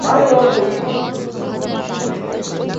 কিছু কিছু মানুষের কাছে ঋণী থাকতে ভালো লাগে!